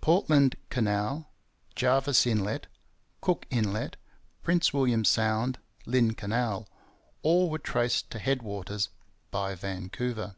Portland Canal, Jervis Inlet, Cook Inlet, Prince William Sound, Lynn Canal all were traced to head waters by Vancouver.